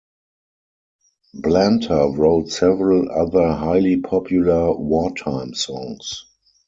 Blanter wrote several other highly popular wartime songs.